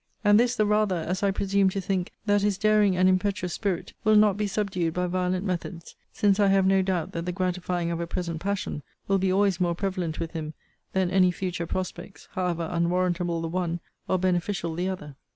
and this the rather, as I presume to think, that his daring and impetuous spirit will not be subdued by violent methods; since I have no doubt that the gratifying of a present passion will be always more prevalent with him than any future prospects, however unwarrantable the one, or beneficial the other.